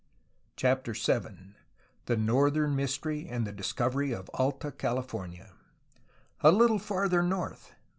CHAPTER VII THE NORTHERN MYSTERY AND THE DISCOVERY OF ALTA CALIFORNIA "A little farther north